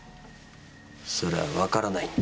それはわからないんだ。